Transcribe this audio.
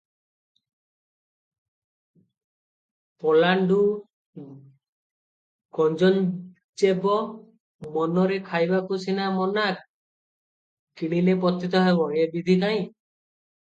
"ପଲାଣ୍ଡୁ ଗୁଞ୍ଜନଞ୍ଚୈବ" ---ମନରେ ଖାଇବାକୁ ସିନା ମନା, କିଣିଲେ ପତିତ ହେବ, ଏ ବିଧି କାହିଁ?